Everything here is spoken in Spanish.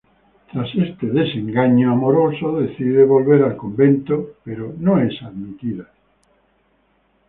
Tras este desengaño amoroso decide volver al convento, pero no es admitida.